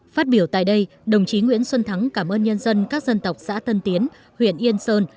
phát biểu tại đây đồng chí nguyễn xuân thắng cảm ơn nhân dân các dân tộc xã tân tiến huyện yên sơn